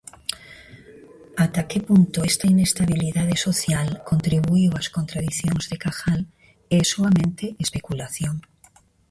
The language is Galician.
Ata que punto esta inestabilidade social contribuíu ás contradicións de Cajal é soamente especulación.